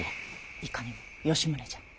いかにも吉宗じゃ。